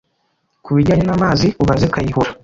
ku bijyanye n’amazi ubaze kayihura